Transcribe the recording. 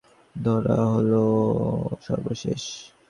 এখানে তাঁদের সর্বশেষ অবস্থান তুলে ধরা হলো।